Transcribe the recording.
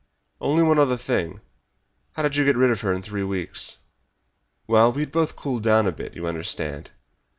"Only one other thing. How did you get rid of her in three weeks?" "Well, we had both cooled down a bit, you understand.